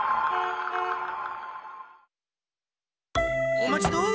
おまちどお！